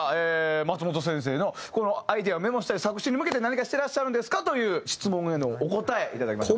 松本先生のこのアイデアメモしたり作詞に向けて何かしてらっしゃるんですか？という質問へのお答え頂きました。